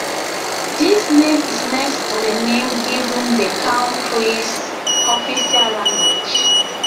This name is next to the name given the country's official language.